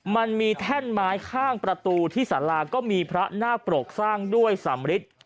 มันมีแท่นไม้ข้างประตูที่สาราก็มีพระนาคปรกสร้างด้วยสำริท